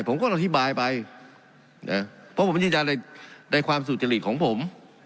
ผมก็อธิบายไปนะเพราะผมยืนยันในความสุจริตของผม